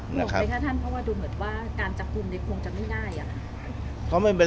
บอกไปค่ะท่านเพราะว่าดูเหมือนว่าการจัดกรุมในกรุงจะไม่ง่ายอะ